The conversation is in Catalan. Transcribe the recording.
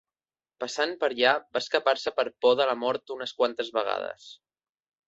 Passant per allà va escapar-se per por de la mort unes quantes vegades.